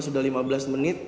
sudah lima belas menit